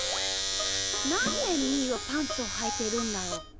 なんでみーはパンツをはいてるんだろう。